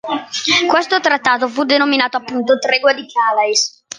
Questo trattato fu denominato appunto "tregua di Calais".